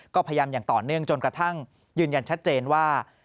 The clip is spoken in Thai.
ก็พยายามอย่างต่อเนื่องจนกระทั่งยืนยันชัดเจนว่า